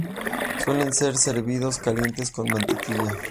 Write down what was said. Suelen ser servidos calientes con mantequilla.